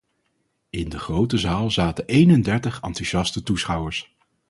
In de grote zaal zaten eenendertig enthousiaste toeschouwers.